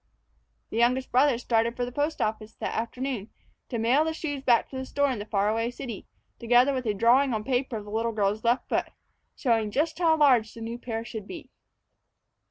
The youngest brother started for the post office that afternoon to mail the shoes back to the store in the far away city, together with a drawing on paper of the little girl's left foot, showing just how large the new pair should be.